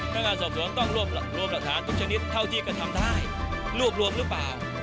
นักงานสอบสวนต้องรวบรวมหลักฐานทุกชนิดเท่าที่กระทำได้รวบรวมหรือเปล่า